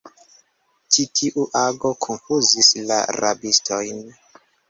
Ĉi tiu ago konfuzis la rabistojn.